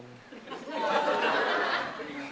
ไม่ได้ไปขับ